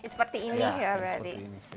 seperti ini ya berarti